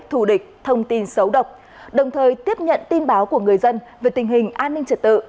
thù địch thông tin xấu độc đồng thời tiếp nhận tin báo của người dân về tình hình an ninh trật tự